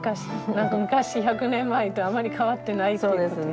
何か昔１００年前とあまり変わってないっていう事よね。